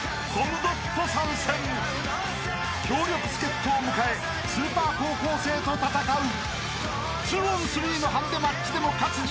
［強力助っ人を迎えスーパー高校生と戦う！］